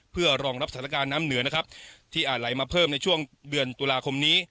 เพื่อรองรับสถานการณ์น้ำเหนือนะครับที่อาจไหลมาเพิ่มในช่วงเดือนตุลาคมนี้